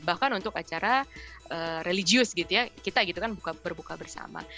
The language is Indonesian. bahkan untuk acara religius gitu ya kita gitu kan berbuka bersama